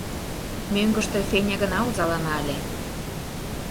Мӧҥгыштӧ Феня гына озалана ыле.